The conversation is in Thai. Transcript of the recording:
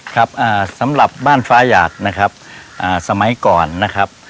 ครับอ่าสำหรับบ้านฟ้าหยากนะครับอ่าสมัยก่อนนะครับ